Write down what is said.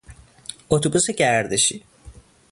اتوبوس گردشی